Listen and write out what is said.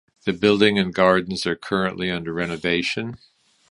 The building and gardens are currently under renovation.